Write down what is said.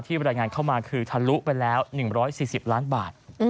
บรรยายงานเข้ามาคือทะลุไปแล้ว๑๔๐ล้านบาท